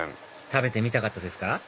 食べてみたかったですか？